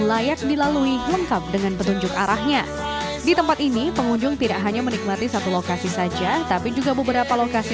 saya rasakan memang luar biasa jadi kalau kita lihat kebenian air kita segar sekali